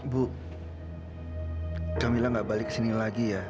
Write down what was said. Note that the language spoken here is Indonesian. bu kak mila nggak balik ke sini lagi ya